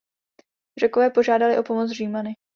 Řekové požádali o pomoc Římany.